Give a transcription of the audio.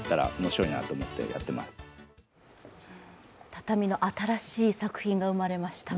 畳の新しい作品が生まれました。